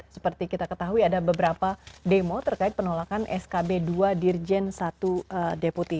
seperti kita ketahui ada beberapa demo terkait penolakan skb dua dirjen satu deputi